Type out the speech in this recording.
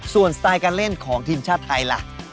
ส่วนสไตล์การเล่นของทีมชาติไทยล่ะ